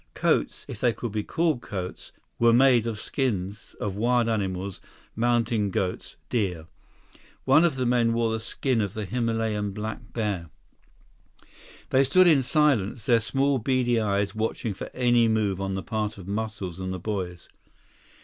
Coats, if they could be called coats, were made of skins of wild animals, mountain goats, deer. One of the men wore the skin of the Himalayan black bear. They stood in silence, their small, beady eyes watching for any move on the part of Muscles and the boys.